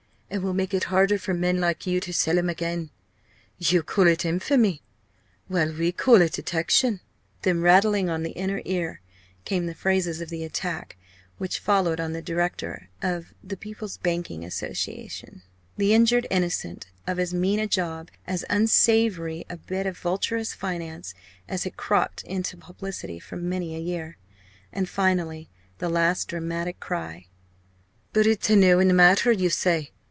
And we'll make it harder for men like you to sell 'em again! Yo call it infamy? well, we call it detection." Then rattling on the inner ear came the phrases of the attack which followed on the director of "The People's Banking Association," the injured innocent of as mean a job, as unsavoury a bit of vulturous finance, as had cropped into publicity for many a year and finally the last dramatic cry: "But it's noa matter, yo say!